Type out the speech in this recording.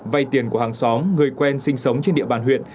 vay tiền của hàng xóm người quen sinh sống trên địa bàn huyện